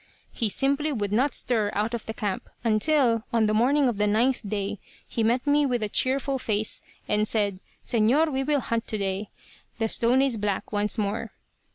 He simply would not stir out of the camp, until, on the morning of the ninth day, he met me with a cheerful face, and said, 'Señor, we will hunt today. The stone is black once more.'